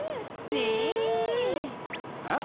ねえ！えっ？